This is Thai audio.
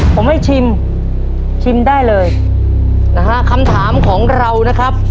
ผมให้ชิมชิมได้เลยนะฮะคำถามของเรานะครับ